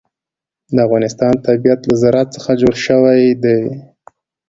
د افغانستان طبیعت له زراعت څخه جوړ شوی دی.